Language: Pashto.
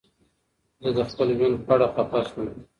زه د خپل ژوند په اړه خفه شوم.